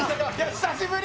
久しぶり。